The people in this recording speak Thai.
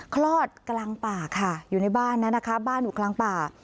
คลอดกลางป่าค่ะอยู่ในบ้านนั้นนะคะบ้านอยู่กลางป่า